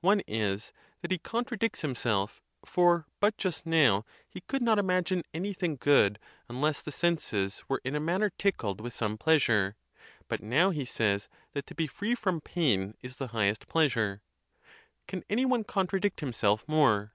One is, that he con tradicts himself; for, but just now, he could not imagine ' anything good unless the senses were in a manner tickled with some pleasure; but now he says that to be free from pain is the highest pleasure. Can any one contradict him self more?